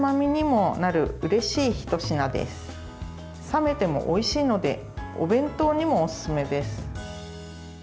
冷めてもおいしいのでお弁当にもおすすめです。